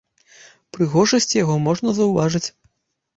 Прыгожасць яго можна заўважыць.